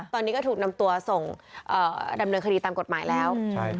ตอนนี้ก็ถูกนำตัวส่งดำเนินคดีตามกฎหมายแล้ว